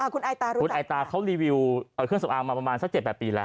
คุณอายตาเขารีวิวเครื่องสำอางมาประมาณ๗๘ปีแล้ว